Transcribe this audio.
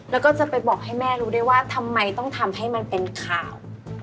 แล้วก็จะไปบอกให้แม่รู้ได้ว่าทำไมต้องทำให้มันเป็นข่าว